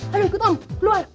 ayo ikut om keluar